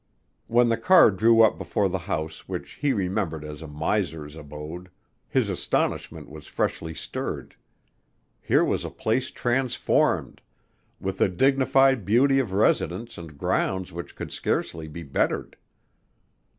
When the car drew up before the house which he remembered as a miser's abode, his astonishment was freshly stirred. Here was a place transformed, with a dignified beauty of residence and grounds which could scarcely be bettered.